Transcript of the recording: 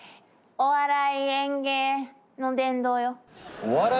「お笑い演芸の殿堂」